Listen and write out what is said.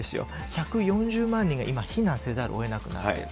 １４０万人が今、避難せざるをえなくなっている。